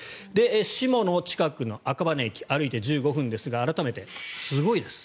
志茂の近くの赤羽駅歩いて１５分ですが改めてすごいです。